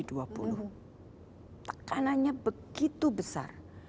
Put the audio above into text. tuh tekanannya begitu besar